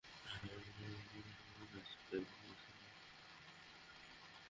আমি যখন ডাক পাই, টানা তিন দিন আমি পাকিস্তানের জার্সি গায়ে ঘুমিয়েছিলাম।